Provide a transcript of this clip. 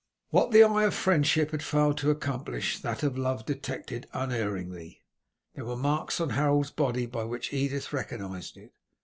What the eye of friendship had failed to accomplish, that of love detected unerringly. There were marks on Harold's body by which Edith recognized it.